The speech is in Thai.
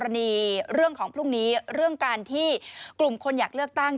อันนี้เรื่องของพรุ่งนี้เรื่องการที่กลุ่มคนอยากเลือกตั้ง